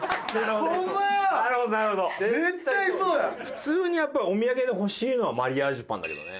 普通にやっぱりお土産で欲しいのはマリアージュパンだけどね。